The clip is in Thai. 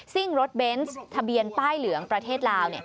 ซึ่งรถเบนส์ทะเบียนป้ายเหลืองประเทศลาว